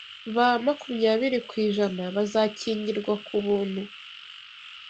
ba makumyabiri kwijana bazakingirwa ku buntu